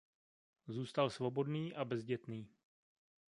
Zůstal svobodný a bezdětný.